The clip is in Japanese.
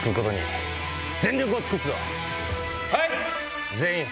はい！